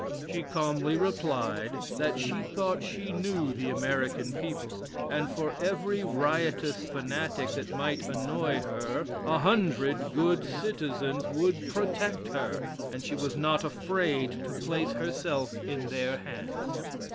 She calmly replied, that she thought she knew the American people, and for every riotous fanatic that might annoy her, a hundred good citizens would protect her, and she was not afraid to place herself in their hands.